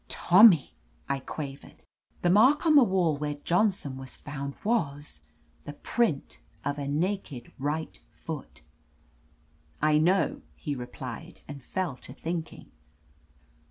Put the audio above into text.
"Tommy!" I quavered. "The mark on the wall where Johnson was found was — the print of a naked right foot." "I know," he replied, and fell to thinking.